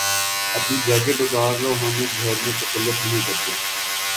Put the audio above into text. اپنی جیکٹ اتار لو۔ ہم اس گھر میں تکلف نہیں کرتے